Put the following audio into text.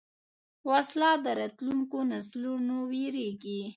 وسله د راتلونکو نسلونو وېرېږي